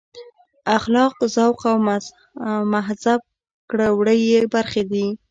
اخلاق ذوق او مهذب کړه وړه یې برخې دي.